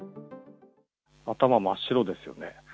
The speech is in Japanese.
頭真っ白ですよね。